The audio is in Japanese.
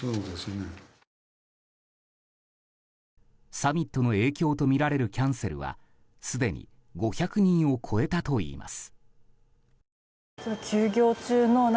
サミットの影響とみられるキャンセルはすでに５００人を超えたといいます。